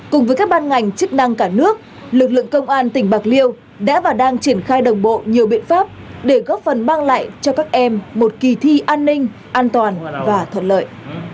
cùng với các ban ngành chức năng cả nước lực lượng công an tỉnh bạc liêu đã và đang triển khai đồng bộ nhiều biện pháp để góp phần mang lại cho các em một kỳ thi an ninh an toàn và thuận lợi